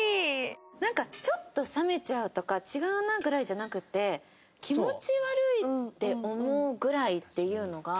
ちょっと冷めちゃうとか違うなぐらいじゃなくて気持ち悪いって思うぐらいっていうのが。